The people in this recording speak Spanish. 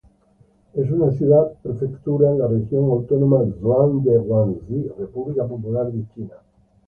Es una ciudad-prefectura en la región autónoma Zhuang de Guangxi, República Popular de China.